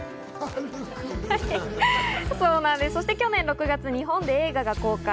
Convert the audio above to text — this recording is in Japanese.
そして去年、日本で映画が公開。